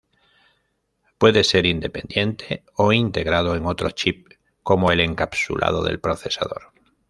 Puede ser independiente o integrado en otro chip como en el encapsulado del procesador.